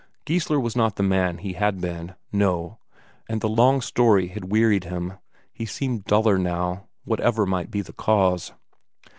Geissler was not the man he had been no; and the long story had wearied him, he seemed duller now, whatever might be the cause.